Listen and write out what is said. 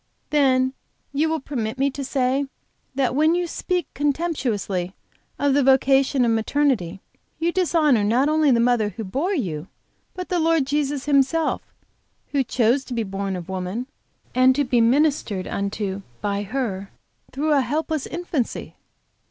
"Then you will permit me to say that when you speak contemptuously of the vocation of maternity, you dishonor, not only the mother who bore you, but the Lord Jesus Himself, who chose to be born of woman, and to be ministered unto by her through a helpless infancy."